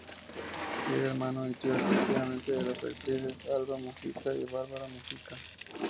Era hermano y tío, respectivamente, de las actrices Alba Mujica y Bárbara Mujica.